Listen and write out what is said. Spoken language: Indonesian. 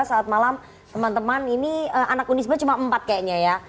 saat malam teman teman ini anak unisba cuma empat kayaknya ya